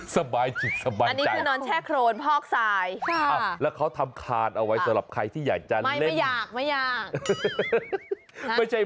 สบายจิตสบายใจ